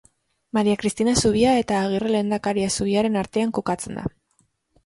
Maria Kristina zubia eta Agirre Lehendakaria zubiaren artean kokatzen da.